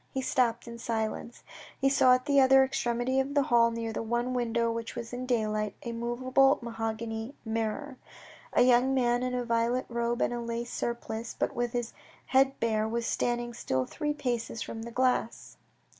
He stopped in silence. He saw at the other extremity of the hall, near the one window which let in the daylight, a movable mahogany mirror. A young man in a violet robe and a lace surplice, but with his head bare, was standing still three paces from the glass.